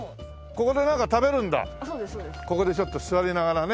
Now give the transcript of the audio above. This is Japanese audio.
ここでちょっと座りながらね。